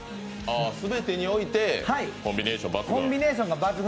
全てにおいて、コンビネーション抜群。